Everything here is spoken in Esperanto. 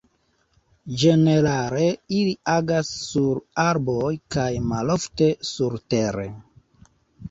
Ĝenerale ili agas sur arboj kaj malofte surtere.